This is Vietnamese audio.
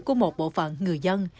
của một bộ phận người dân